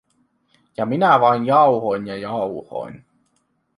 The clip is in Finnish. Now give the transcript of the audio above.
Ja minä vain jauhoin ja jauhoin.